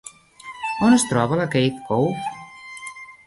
On est troba la Cave Cove?